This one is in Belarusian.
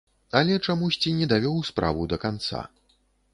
Але чамусьці не давёў справу да канца.